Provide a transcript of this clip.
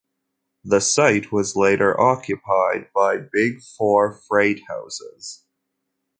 The site was later occupied by Big Four freight houses.